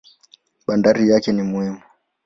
Bandari yake ni muhimu.